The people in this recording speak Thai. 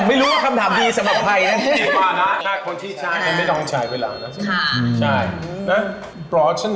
ไม่รู้ว่าคำถามดีสำหรับใครนะ